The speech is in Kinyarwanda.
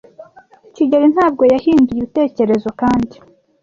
kigeli ntabwo yahinduye ibitekerezo kandi